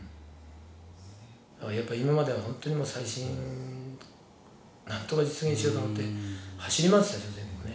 やっぱり今まではほんとにもう再審なんとか実現しようと思って走り回ってたでしょ全国ね。